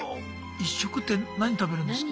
一食って何食べるんですか？